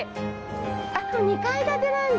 あっ、２階建てなんだ。